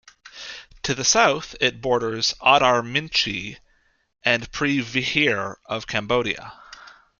To the south it borders Oddar Meancheay and Preah Vihear of Cambodia.